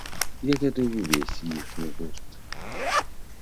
Я ведаю ўвесь іхні гурт.